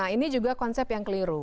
ini juga konsep yang keliru